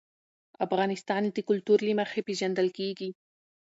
افغانستان د کلتور له مخې پېژندل کېږي.